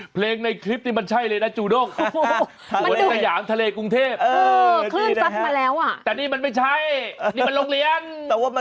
เป็รวมฝันสลายเลยคุณฮะ